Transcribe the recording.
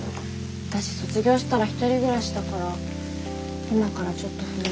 私卒業したら１人暮らしだから今からちょっと不安。